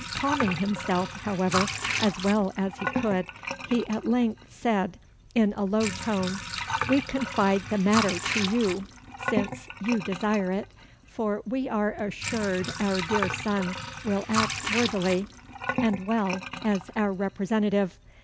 Calming himself, however, as well as he could, he at length said, in a low tone "We confide the matter to you, since you desire it, for we are assured our dear son will act worthily and well as our representative.